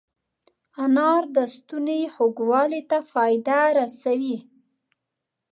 انار د ستوني خوږوالي ته فایده رسوي.